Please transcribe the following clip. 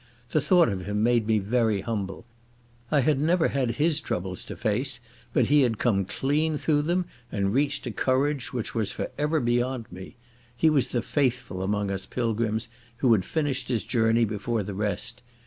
The thought of him made me very humble. I had never had his troubles to face, but he had come clean through them, and reached a courage which was for ever beyond me. He was the Faithful among us pilgrims, who had finished his journey before the rest.